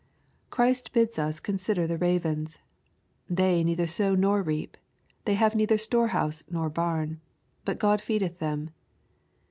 Christ bids us consider the ravens. " They neither sow nor reap. They have neither storehouse nor barn. But God feedeth them."